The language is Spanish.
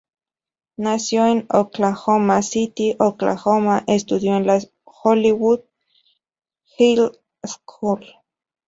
Nacida en Oklahoma City, Oklahoma, estudió en la Hollywood High School.